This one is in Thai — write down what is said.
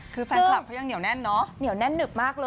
คือแฟนคลับเขายังเหนียวแน่นเนอะ